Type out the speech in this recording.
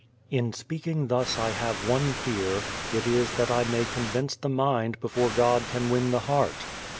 In speaking thus I have one fear; it is that I may convince the mind before God can win the heart.